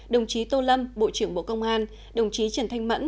đồng chí tô lâm bộ trưởng bộ công an đồng chí trần thanh mẫn